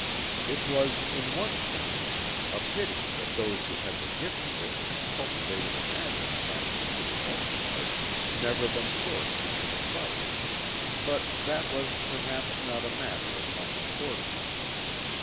It was, in one sense, a pity that those who had the gift of it and cultivated imagination had, for the most part, never been forced into the fight; but that was, perhaps, not a matter of much importance.